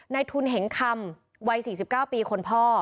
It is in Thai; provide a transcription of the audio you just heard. ในทุนเห็งคำวัย๔๙ปีคนพ่อ